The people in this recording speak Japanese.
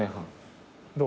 どう？